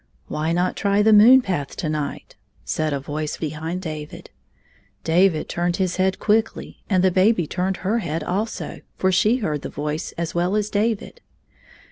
" Why not try the moon path to night ?" said a voice behind David. David turned his head quickly, and the baby turned her head also, for she heard the voice as well as David.